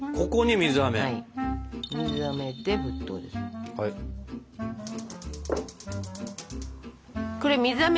水あめで沸騰ですよ。